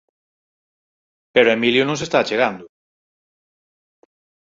Pero Emilio non se está achegando.